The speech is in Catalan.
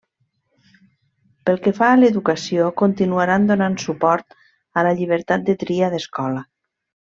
Pel que fa a l'educació, continuaran donant suport a la llibertat de tria d'escola.